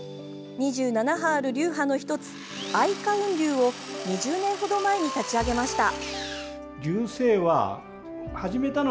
２７派ある流派の１つ愛火雲流を２０年ほど前に立ち上げました。